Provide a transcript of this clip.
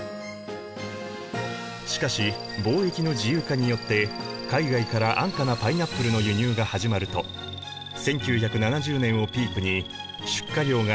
しかし貿易の自由化によって海外から安価なパイナップルの輸入が始まると１９７０年をピークに出荷量が徐々に減少。